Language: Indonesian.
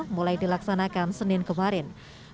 mulai dilaksanakan senin kemarin